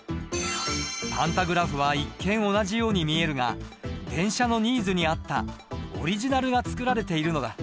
パンタグラフは一見同じように見えるが電車のニーズに合ったオリジナルが作られているのだ。